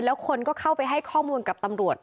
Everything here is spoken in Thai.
แล้วคนก็เข้าไปให้ข้อมูลกับตำรวจ